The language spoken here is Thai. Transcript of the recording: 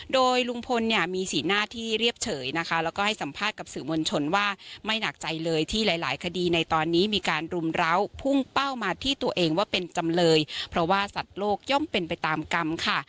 โดยลุงพลเนี่ยมีสีหน้าที่เรียบเฉยนะคะแล้วก็ให้สัมภาษณ์กับสื่อมวลชนว่าไม่หนักใจเลยที่หลายหลายคดีในตอนนี้มีการรุมร้าวพุ่งเป้ามาที่ตัวเองว่าเป็นจำเลยเพราะว่าสัตว์โลกย่อมเป็นไปตามกรรมค่ะ